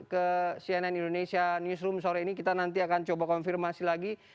ke cnn indonesia newsroom sore ini kita nanti akan coba konfirmasi lagi